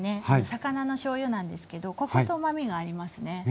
魚のしょうゆなんですけどコクとうまみがありますね。